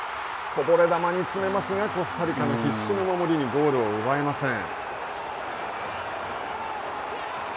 こぼれ球に詰めますがコスタリカの必死の守りにゴールを奪えません。